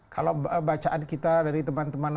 kalau bacaan kita dari teman teman